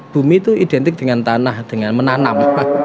bumi itu identik dengan tanah dengan menanam